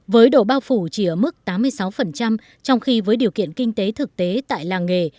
với độ bao phủ chỉ ở mức tám mươi sáu trong khi với điều kiện kinh tế thực tế tại làng nghề